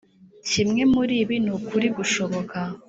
Kimwe muribi nukuri gushboka